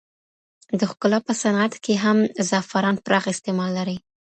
د ښکلا په صنعت کې هم زعفران پراخ استعمال لري.